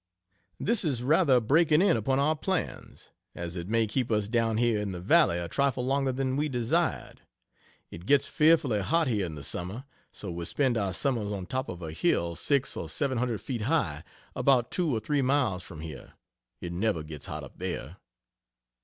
This is rather breaking in upon our plans, as it may keep us down here in the valley a trifle longer than we desired. It gets fearfully hot here in the summer, so we spend our summers on top of a hill 6 or 700 feet high, about two or three miles from here it never gets hot up there.